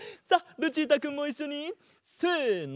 ルチータくんもいっしょにせの。